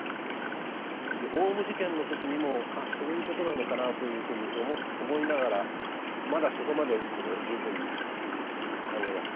オウム事件の時にも「ああそういうことなのかな」というふうに思いながらまだそこまでこう十分に考えが進まなかった。